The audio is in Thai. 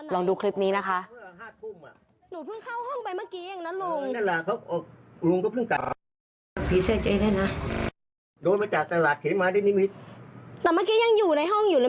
ลองดูคลิปนี้นะคะ